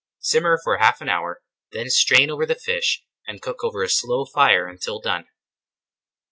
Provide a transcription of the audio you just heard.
Simmer for half an hour, then strain over the fish and cook over a slow fire until done.